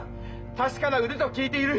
確かな腕と聞いている。